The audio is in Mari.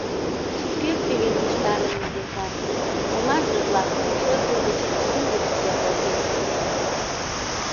Шукерте йӧнештарыме, векат, — оҥаже-влак шӧржӧ гыч тӱвыт ягылген пытеныт.